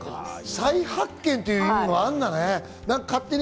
再発見ということもあるんだね。